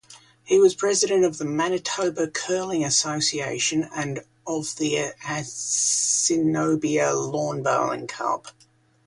He was president of the Manitoba Curling Association and of the Assiniboia Lawn-Bowling Club.